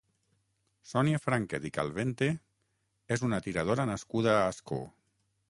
Sònia Franquet i Calvente és una tiradora nascuda a Ascó.